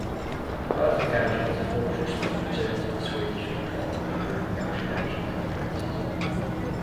At both occasions the fortress was returned to Swedish control through negotiations and treaties.